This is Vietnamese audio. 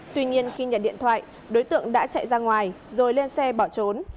tuy nhiên khi nhận điện thoại đối tượng đã chạy ra ngoài rồi lên xe bỏ trốn